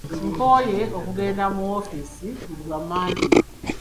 Nkooye okugenda mu woofiisi buli lwa Mande.